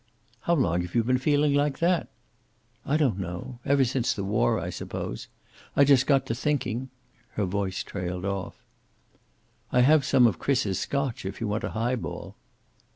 "How long had you been feeling like that?" "I don't know. Ever since the war, I suppose. I just got to thinking " Her voice trailed off. "I have some of Chris's Scotch, if you want a high ball."